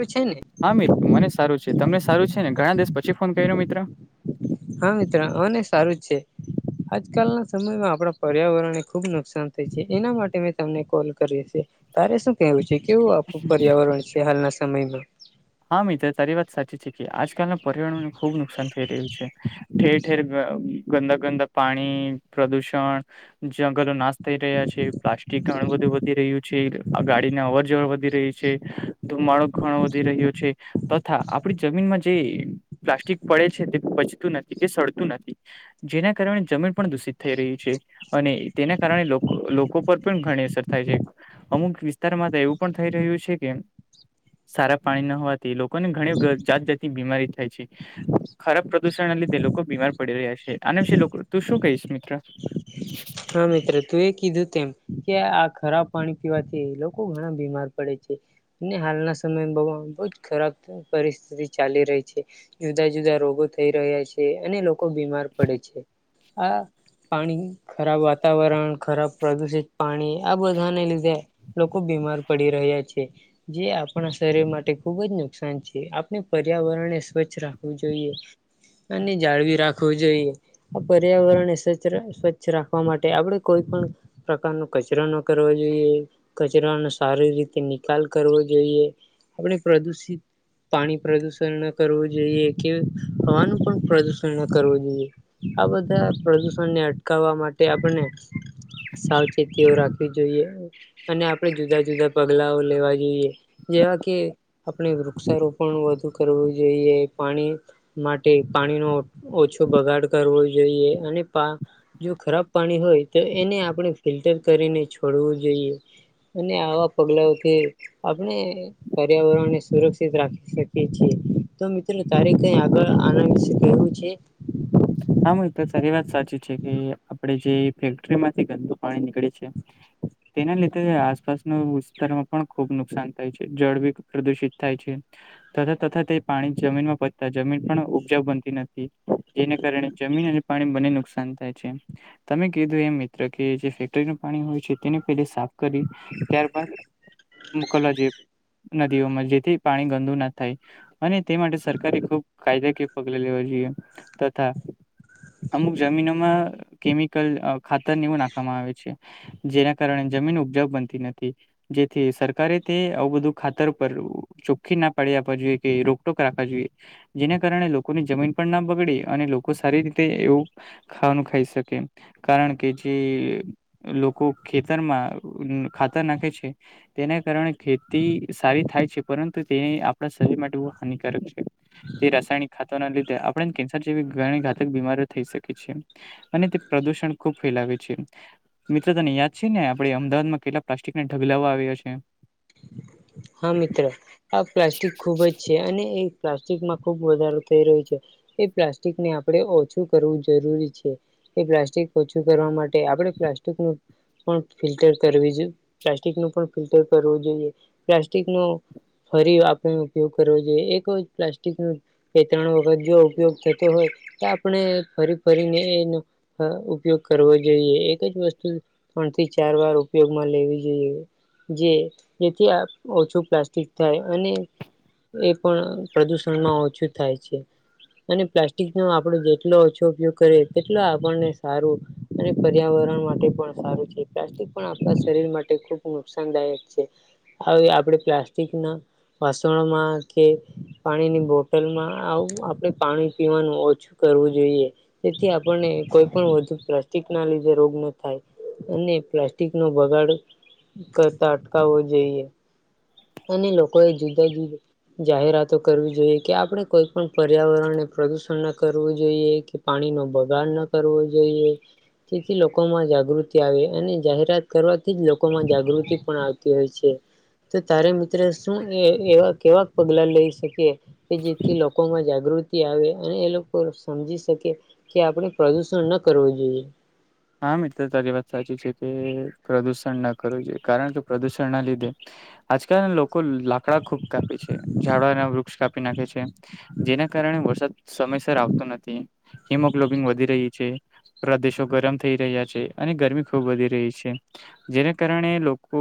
એ ઉ છે ને હા મિત્ર મને સારું છે તમને સારું છે ને ઘણા દિવસ પછી ફોન કર્યો મિત્ર- હા મિત્ર અને સારું છે આજકાલના સમયમાં આપણા પર્યાવરણ એ ખુબ ન- નુકસાન થાય છે એના માટે મેં તમને કોલ કરી છે. તારે શું કેવું છે કેવું આપું પર્યાવરણ છે હાલના સમયમાં- હા મિત્ર તારી વાત સાચી છે કે આજકાલના પર્યાવરણને ખુબ નુકસાન થઈ રહ્યું છે. ઠેર ઠેર ગં ગંદા ગંદા પાણી પ્રદૂષણ જંગલો નો નાશ- થઈ રહ્યા છે પ્લાસ્ટિક ઘણું બધું વધી રહ્યું છે આ ગાડીને અવર જવર વધી રહી છે. ધુમાડો ઘણો વધી રહ્યો છે તથા આપડી જમીનમાં જે- પ્લાસ્ટિક પડે છે તે પચતું નથી કે સડતું નથી- જેના કારણે જમીન પણ દૂષિત થઈ રહી છે. અને તેના કારણે લોકો પર પણ ઘણી અસર થાય છે. અમુક વિસ્તારમાં તો એવું પણ થઈ રહ્યું છે કે સારા પાણી ન- તે લોકોને ઘણી જાત જાતતીની બીમારી થાય છે. ખરાબ પ્રદુષણને લીધે લોકો બીમાર પડી રહ્યા છે. આના વિશે લો કો તું શું કહીશ મિત્ર હા મિત્ર તું એ કીધું તેમ કે આ ખરાબ- પાણી પીવાથી લોકો ઘણા બીમાર પડે છે અનેને હાલના સમય બહુજ ખરાબ પરિસ્થિતિ ચાલી રહી છે જુદા જુદા રોગો થઈ રહ્યા છે અને લોકો બીમાર પડે છે આ પાણીની ખરાબ વાતાવરણ ખરાબ પ્રદુષિત પાણી આ બધાને લીધે લોકો બીમાર પડી રહ્યા છે જે આપણા શરીર માટે ખુબ જ નુકસાન છે આપણે પર્યાવરણને સ્વચ્છ રાખવું જોઈએ અને જાળવી રાખવું જોઈએ આ પર્યાવરણ એ સ્વચછ સ્વચછ છ રાખવા માટે આપણે કોઈ પણ પ્રકારનો કચરો ન કરવો જોઈએ. કચરાનો સારી રીતે નિકાલ કરવો જોઈએ, આપણે પ્રદુષિત પાણી પ્રદુષણ ના કરવું જોઈએ, કે હવાનું પણ પ્રદુષણ ના કરવું જોઈએ. આ બધા પ્રદુષણને અટકાવવા માટે આપણને સાવચેતીઓ રાખવી જોઈએ. અને આપણેે જુદા જુદા પગલાઓ લેવા જોઈએ, જેવા કે આપણે વૃક્ષારોપણ વધુ કરવું જોઈએ, પાણી માટે પાણી નો ઓછો બગાડ કરવો જોઈએ, અને પા જો ખરાબ પાણી હોય, તો એને આપણે ફિલ્ટર કરીને છોડવું જોઈએ. અને આવા પગલાઓથી આપણે પર્યાવરણ ને સુરક્ષિત રાખી શકી છીએ, તો મિત્ર તારી કઈ આગળ આના વિશે કેવું છે? હા મિત્ર, તારી વાત સાચી છે, કે આપડે જે ફેક્ટરીમાંથી ગંદુ પાણી નીકળે છે. [inaudible] તેના લીધે આસપાસના વિસ્તારોમાં પણ ખુબ નુકસાન થાય છે, જળવીક પ્રદુષિત થાય છે. તર તથા તે પાણી જમીનમાં પચતા જમીન પણ ઉપજા બનતી નથી. જેના કારણે જમીન અને પાણી બને નુકસાન થાય છે. તમે કીધું એમ મિત્ર, કે જે ફેક્ટરીનું પાણી હોય છે તેને પલે સાફ કરી ત્યારબદ મોકલવા જોઈએ. નદીઓમાં જેથી પાણી ગંદુ ના થાય. અને તે માટે સરકારે ખુબ કાયદાકીય પગલા લેવા જોઈએ, તથા અમુક જમીનોમાં, કેમિકલ, અ ખાતર ને એવું નાખવામાં આવે છે. જેના કારણે જમીન ઉપજાવ બનતી નથી. જેથી સરકારે તે આવું બધું ખાતર પરુ ચોખ્ખી ના પાડી આપવા જોઈએ, કે રોકટોક રાખવા જોઈએ, જેના કારણે લોકોની જમીન પણ ના બગડે અને લોકો સારી રીતે એવું ખાવાનું ખાઈ શકે, કારણ કે જે લોકો ખેતરમાં ખાતર નાખે છે. તેના કારણે ખેતી સારી થાય છે, પરંતુ તેની આપણા શરીર માટે બહુ હાનિકારક છે. તે રાસાયણિક ખાતર ના લીધે આપડે કેન સર જેવી ઘણી ઘાતક બીમારીઓ થઈ શકે છે, અને તે પ્રદુષણ ખુબ ફેલાવે છે. મિત્ર તને યાદ છેને, આપણે અમદાવાદમાં કેટલા પ્લાસ્ટિકને ઢગલાઓ આવ્યા છે. હા મિત્ર. આ પ્લાસ્ટિક ખુબ જ છે, અને એ પ્લાસ્ટિકમાં ખુબ વધારો થઈ રહ્યો છે. એ પ્લાસ્ટિકને આપડે ઓછું કરવું જરૂરી છે. એ પ્લાસ્ટિક ઓછું કરવા માટે આપડે પ્લાસ્ટિક નું પણ ફિલ્ટર કરવી જો, પ્લાસ્ટિક નું પણ ફિલ્ટર કરવું જોઈએ, પ્લાસ્ટિકનુ ફરી આપણનો ઉપયોગ કરવો જોઈએ, એક વાર પ્લાસ્ટિક નુ એ ત્રણ વખત જો ઉપયોગ થતો હોય, તો આપણે ફરી ફરીને એનો હ ઉપયોગ કરવો જોઈએ, એકજ વસ્તુ ત્રણ થી ચાર વાર ઉપયોગમાં લેવી જોઈએ, જે જેથી આ ઓછું પ્લાસ્ટિક થાય, અને એ પણ પ્રદુષણમાં ઓછું થાય છે. અને પ્લાસ્ટિક નો આપડો જેટલો ઓછો ઉપયોગ કરીએ, તેટલો આપણને સારું. અને પર્યાવરણ માટે પણ સારું છે, પ્લાસ્ટિક પણ આપણા શરીર માટે ખુબ નુકસાનદાયક છે. હવે આપણે પ્લાસ્ટિક ના વાસણોમાં કે પાણીની બોટલમાં આવું આપડે પાણી પીવાનું ઓછું કરવું જોઈએ. તેથી આપણને કોઈ પણ વધુ પ્લાસ્ટિક ના લીધે રોગ ન થાય. અને પ્લાસ્ટિક નો બગાડ કરતા અટકાવવો જોઈએ. અને લોકો એ જુદા જુદા જાહેરાતો કરવી જોઈએ, કે આપણે કોઈ પણ પર્યાવરણને પ્રદુષણ ના કરવું જોઈએ, કે પાણી નો બગાડ ન કરવો જોઈએ. તેથી લોકોમાં જાગૃતિ આવે અને જાહેરાત કરવાથી જ લોકોમાં જાગૃતિ પણ આવતી હોય છે તો તારે મિત્ર શું એવા કેવા પગલા લઈ શકીએ કે જેથી લોકોમાં જાગૃતિ આવે અને એ લોકો સમજી શકે કે આપણે પ્રદુષણ ન કરવું જોઈએ હા મિત્ર તારી વાત સાચી છે કે પ્રદુષણ ના કરવું જોઈએ કારણ કે પ્રદુષણ ના લીધે આજકાલ લોકો લાકડા ખુબ કાપે છે ઝાડા ના વૃક્ષ કાપી નાખે છે જેના કારણે વરસાદ સમયસર આવતો નથી હિમોગ્લોબિન વધી રહી છેરા દેશો ગરમ થ થઈ રહ્યા છે અને ગરમી ખુબ વધી રહી છે જેને કારણે લોકો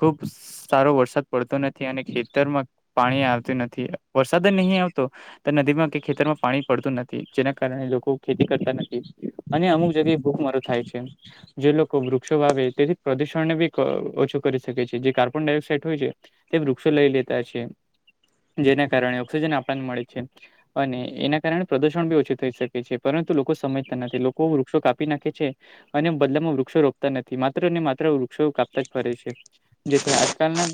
ખુબ સારો વરસાદ પડતો નથી અને ખેતરમાં પાણી આવતું નથી વરસાદ જ નહી આવતો નદીમાં કે ખેતરમાં પાણી પડતું નથી જેના કારણે લોકો ખેતી કરતા નથી અને અમુક જગ્યાએ બુબ મરો થાય છે જે લોકો વૃક્ષો વાે તેથી પ્રદુષણને બી ઓછો કરી શકે છે જે કાર્બન ડાયોક્સાઇડ હોય છે તે વૃક્ષો લઈ લેતા છે જેના કારણે ઓક્સિજન આપણને મળે છે અને એના કારણે પ્રદુષણ બી ઓછું થઈ શકે છે પરંતુ લોકો સમજતા નથી લોકો વૃક્ષો કાપ નાખે છે અને બદલામાં વૃક્ષો રોપતા નથી માત્ર ને માત્ર વૃક્ષો કાપતા જ ફરે છે જેથી આજકાલના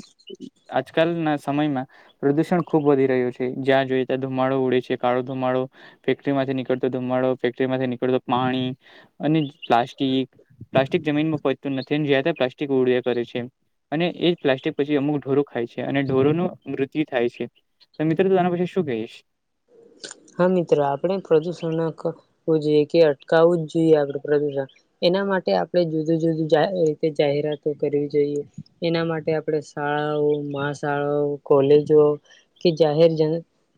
આજકાલના સમયમાં પ્રદુષણ ખુબ વધી રહ્યું છે જ્યાં જોઈએ ત્યાં ધુમાડો ઉડે છે કાળો ધુમાડો ફેક્ટરીમાંથી નીકળતો ધુમાડો ફેક્ટરી માંથી નીકળતો પાણી અને પ્લાસ્ટિક પ્લાસ્ટિક જમીનમાં પતું નથી જ પ્લાસ્ટિક ઉડે કરે છે અને એ જ પ્લાસ્ટિક પછી અમુક ઢોરો ખાય છે અને ઢોરો ન મૃત્યુ થાય છે તો મિત્રો તોું તેના પછી શું કહીશ હા મિત્રો આપણે પ્રદુષણવું જોઈએ કે અટકાવું જ જોઈએ આપડું પ્રદુષણ એના માટે આપણે જુદું જુદું રીતે જાહેરાતો કરવી જોઈએ એના માટે આપણે શાળાઓ મહાશાળાઓ કોલેજો કે જાહેર જન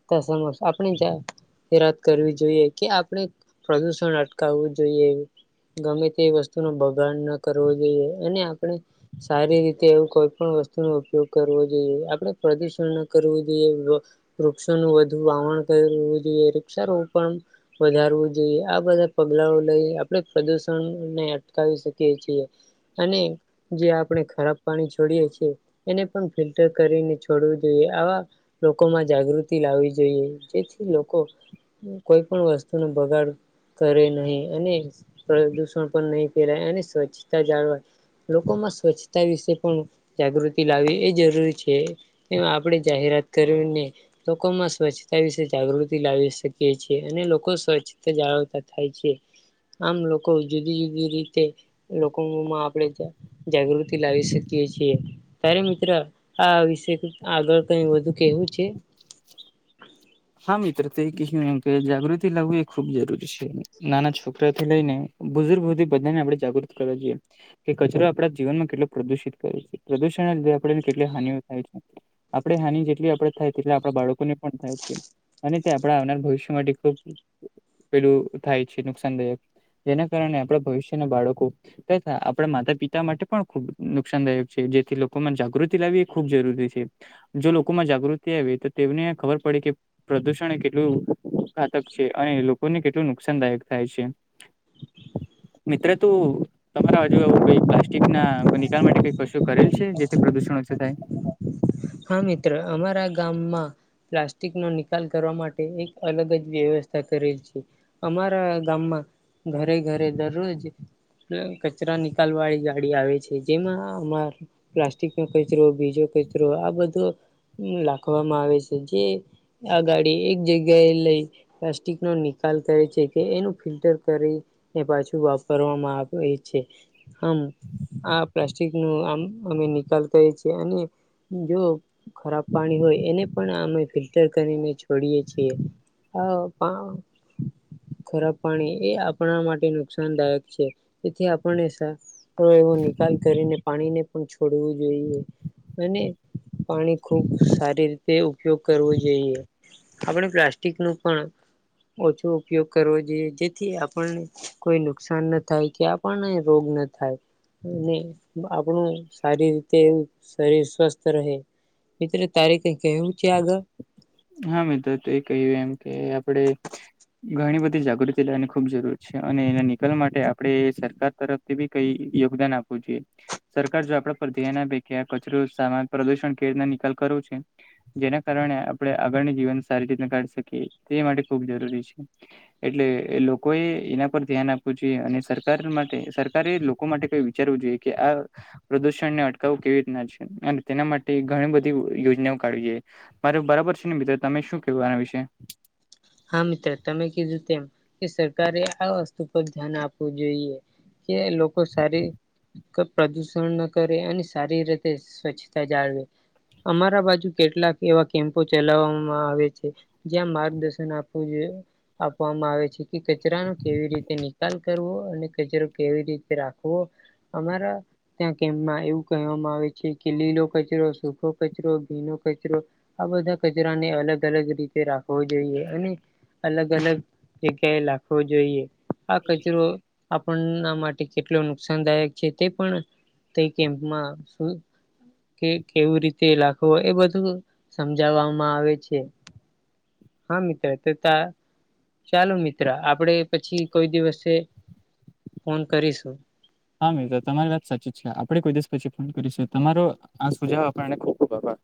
ત સમ આપણી જા રાત કરવી જોઈએ કે આપણે પ્રદુષણ અટકાવવું જોઈએ ગમે તે વસ્તુ ન બગાડ ન કરવો જોઈએ અને આપણે સારી રીતે એવું કોઈ પણ વસ્તુનોો ઉપયોગ કરવો જોઈએ આપણે પ્રદુષણ ન કરવું જોઈએ વૃક્ષોનું વધુ વાહણ કરવું જોઈએ વૃક્ષારો પણ વધારવું જોઈએ આ બધા પગલાઓ લઈ આપણે પ્રદુષણને અટકાવી શકીએ છીએ અને જે આપણે ખરાબ પાણી છોડીએ છીએ એને પણ ફિલ્ટર કરીને છોડવું જોઈએ આવા લોકોમાં જાગૃતિ લાવવી જોઈએ જેથી લોકો કોઈ પણ વસ્તુ નું બગાડ કરે નહી અને પ્રદુષણ પણ નહી ફેલાય અને સ્વચ્છતા જાળવા લોકોમાં સ્વચ્છતા વિશે પણ જાગૃતિ લાવવી એ જરૂરી છે તે આપણે જાહેરાત કરીને લોકોમાં સ્વચ્છતા વિશે જાગૃત લાવી શકે છેએ અને લોકો સ્વચ્છતા જાળવતા થાય છે આમ લોકો જુદી જુદી રીતે લોકોમાં આપડે ત્યા જાગૃતિ લાવી શકીએ છીએ તારે મિત્ર આ વિશે આગળ કઈ વધુ કેહવું છે? હા મિત્ર તએ કહ્યું એમ કે જાગૃતિ લાવવી એ ખુબ જરૂરી છે. નાના છોકરાથી લઈને બુજૂર્ગ હુદી બધાને આપડે જાગૃત કરવા જોઈએ. કે કચરો આપડા જીવનમાં કેટલો પ્રદુષિત કરે છે પ્રદુષણના લીધે આપડાને કેટલી હાનિઓ થાય છે. આપડે હાની જેટલી આપડે થાય તેટલા આપડા બાળકોને પણ થાય છે. અને તે આપડા આવનાર ભવિષ્ય માટે ખુબ પેલું થાય છે નુકસાનદાયક જેના કારણે આપડા ભવિષ્યના બાળકો તથા આપડા માતા-પિતા માટે પણ ખુબ નુકસાનદાયક છે જેથી લોકોમાં જાગૃતિ લાવવી એ ખૂબ જરૂરી છે. જો લોકોમાં જાગૃતિ આવે તો તેવને ખબર પડી કે. પ્રદુષણ એ કેટલું ઘાતક છે અને લોકોને કેટલું નુકસાનદાયક થાય છે. મિત્ર તું. તમારા હજુ એવું કોઈ પ્લાસ્ટિક ના નિકાલ માટે કઈ કશું કરેલ છે જેથી પ્રદુષણ ઓછું થાય. હા મિત્ર અમારા ગામમાં. પ્લાસ્ટિકનો નિકાલ કરવા માટે એક અલગ જ વ્યવસ્થા કરેલ છે. અમારા ગામમાં ઘરે ઘરે દરરોજ. કચરા નિકાલ વાળી ગાડી આવે છે જેમાં અમારા. પ્લાસ્ટિક નો કચરો બીજો કચરો આ બધો લાખવામાં આવે સે જે. આ ગાડી એક જગ્યા એ લઈ. પ્લાસ્ટિક નો નિકાલ કરે છે કે એનું ફિલ્ટર કરી. એ પાછું વાપરવામાં આવે છે. આમ આ પ્લાસ્ટિક નું આમ અમે નિકાલ કયે છે અને. જો ખરાબ પાણી હોય એને પણ અમે ફિલ્ટર કરીને છોડીએ છીએ. આ પા ખરાબ પાણી એ આપણા માટે નુકસાનદાયક છે તેથી આપણને સા રો એવો નિકાલ કરીને પાણીને પણ છોડવું જોઈએ અને પાણી ખુબ સારી રીતે ઉપયોગ કરવો જોઈએ. આપડે પ્લાસ્ટિક નું પણ ઓછો ઉપયોગ કરવો જોઈએ જેથી આપણને. કોઈ નુકસાન ન થાય કે આપણને રોગ ન થાય. અને આપણું સારી રીતે એવું શરીર સ્વસ્થ. રહે મિત્ર તારે કઈ કેહવું છે આગળ. હા મિત્ર તુએ કહ્યું એમ કે આપડે. ઘણી બધી જાગૃતિ લેવાની ખુબ જરૂર છે અને એના નિકાલ માટે આપડે સરકાર તરફ તે બી કઈ યોગદાન આપવું જોઈએ. સરકાર જો આપડા પર ધ્યાન આપે કે આ કચરો સામાન પ્રદુષણ કેવી રીતના નિકાલ કરવો છે. જેના કારણે આપડે આગળની જીવન સારી રીતના કાઢી શકીએ તે માટે ખુબ જરૂરી છે. એટલે એ લોકોએ એના પર ધ્યાન આપવું જોઈએ અને સરકાર માટે સરકારે લોકો માટે કોઈ વી જરૂરી છે. જોઈએ કે આ. પ્રદૂષણ ને અટકાવવું કેવી રીતના છે અને તેના માટે ઘણી બધી ઉ યોજનાઓ કાઢવી જોઈએ. મારે બરાબર છે ને મિત્ર તમે શું કેવું આના વિશે? હા મિત્ર તમે કીધું તેમ કે સરકારે આ વસ્તુ પર ધ્યાન આપવું જોઈએ. કે લોકો સારી. ક પ્રદુષણ ન કરે અને સારી રીતે સ્વચ્છતા જાળવે. અમારા બાજુ કેટલાક એવા કેમ્પો ચલાવામાં આવે છે જ્યાં માર્ગદશ. ન આપવું જોયે આપવામાં આવે છે કે કચરાનો કેવી રીતે નિકાલ કરવો અને કચરો કેવી રીતે રાખવો. અમારા. ત્યાં કેમ્પમાં એવું કહેવામાં આવે છે કે લીલો કચરો સૂખો કચરો ભીનો કચરો. આ બધા કચરાને અલગ અલગ રીતે રાખવો જોઈએ. અને અલગ અલગ જગ્યાએ લાખવો જોઈએ આ કચરો. આપણના માટે કેટલો નુકસાનદાયક છે તે પણ તે કેમ્પમાં કે કેવું રીતે લખવો એ બધું સમજાવવામાં આવે છે. હા મિત્ર તો ત ચાલુ મિત્ર આપડે પછી કોઈ દિવસે ફોન કરીશું? હા મિત્ર તમારી વાત સાચી જ છે આપડે કોઈ દિવસ પછી ફોન કરીશું તમારો આ સુ આપને ખુબ ખુબ આભાર.